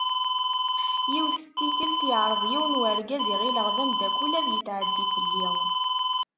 Yiwet n tikkelt yeɛreḍ yiwen n urgaz i ɣileɣ d amddakel ad yetɛeddi fell-i.